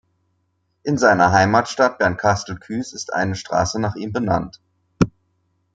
In seiner Heimatstadt Bernkastel-Kues ist eine Straße nach ihm benannt.